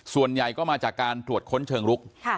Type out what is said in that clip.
ส่วนใหญ่ก็มาจากการตรวจค้นเชิงลุก